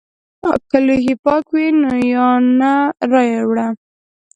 که لوښي پاک وي یا نه رایې وړه!